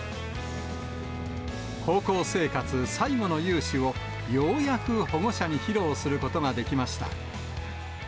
高校生活最後の雄姿を、ようやく保護者に披露することができました。